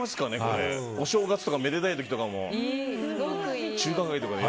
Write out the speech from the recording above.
お正月とか、めでたい時とか。